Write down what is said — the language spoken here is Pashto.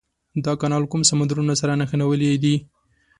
دا کانال کوم سمندرونه سره نښلولي دي؟